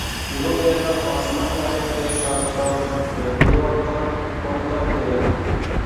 ئۇنىڭ يېنىدا ئاسمان پەلەككە شارقىراپ كۆتۈرۈلۈۋاتقان فونتان كۆرۈندى.